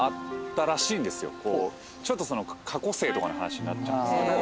ちょっとその過去生とかの話になっちゃうんですけど。